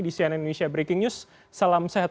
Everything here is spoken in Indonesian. di cnn indonesia breaking news salam sehat